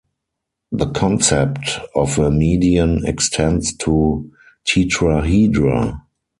The concept of a median extends to tetrahedra.